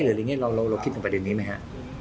เราคิดถึงประเด็นนี้ไหมฮะ